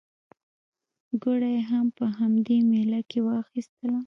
ګوړه یې هم په همدې مېله کې واخیستله.